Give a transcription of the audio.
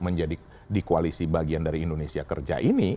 menjadi di koalisi bagian dari indonesia kerja ini